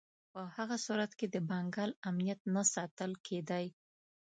په هغه صورت کې د بنګال امنیت نه ساتل کېدی.